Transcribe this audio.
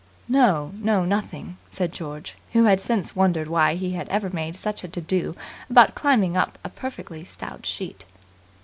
"No, no, nothing," said George, who had since wondered why he had ever made such a to do about climbing up a perfectly stout sheet.